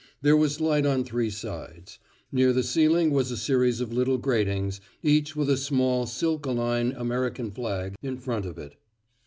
There was light on three sides. Near the ceiling was a series of little gratings, each with a small silkoline American flag in front of it.